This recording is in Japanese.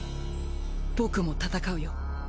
僕も戦うよ。